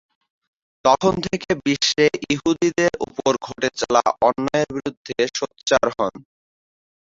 তখন থেকে বিশ্বে ইহুদিদের ওপর ঘটে চলা অন্যায়ের বিরুদ্ধে সোচ্চার হন।